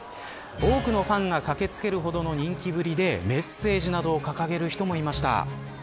多くのファンが駆けつけるほどの人気ぶりでメッセージなどを掲げる人もいました。